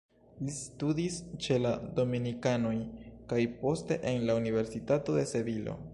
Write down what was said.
Li studis ĉe la dominikanoj kaj poste en la Universitato de Sevilo.